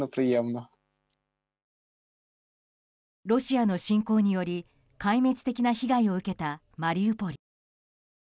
ロシアの侵攻により壊滅的な被害を受けたマリウポリ。